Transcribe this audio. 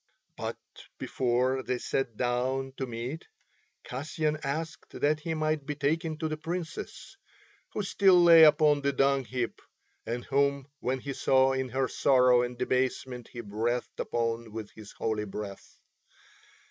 But before they sat down to meat Kasyan asked that he might be taken to the Princess, who still lay upon the dung heap, and whom when he saw in her sorrow and debasement he breathed upon with his holy breath.